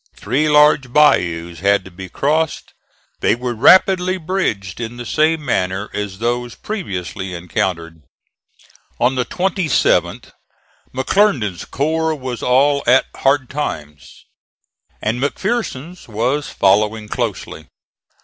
Three large bayous had to be crossed. They were rapidly bridged in the same manner as those previously encountered. (*12) On the 27th McClernand's corps was all at Hard Times, and McPherson's was following closely.